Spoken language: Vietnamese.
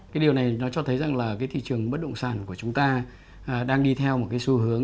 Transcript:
cái điều này nó cho thấy rằng là cái thị trường bất động sản của chúng ta đang đi theo một cái xu hướng